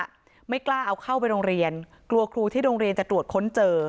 ไม่กล้าเอาเข้าไปโรงเรียนกลัวครูที่โรงเรียนจะตรวจค้นเจอ